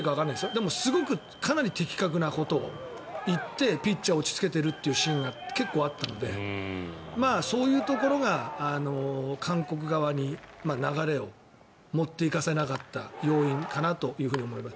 でもすごく的確なことを言ってピッチャーを落ち着けているというシーンが結構あったのでそういうところが韓国側に流れを持っていかせなかった要因かなと思います。